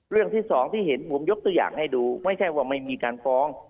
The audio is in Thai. เรื่องที่สองที่เห็นผมยกตัวอย่างให้ดูไม่ใช่ว่าไม่มีการฟ้อง